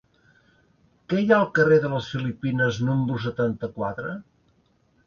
Què hi ha al carrer de les Filipines número setanta-quatre?